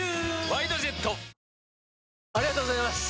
ありがとうございます！